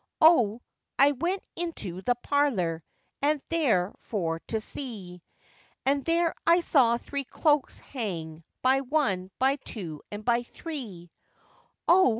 O! I went into the parlour, and there for to see, And there I saw three cloaks hang, by one, by two, and by three; O!